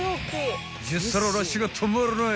［１０皿ラッシュが止まらない］